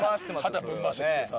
肩ぶん回してきてさ。